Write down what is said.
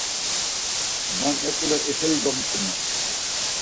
Man ek̆ule ixeli domitzumer.